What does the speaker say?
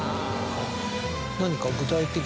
何か。